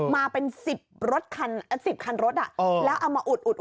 มาเป็น๑๐รถ๑๐คันรถแล้วเอามาอุด